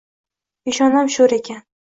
Peshonam sho`r ekan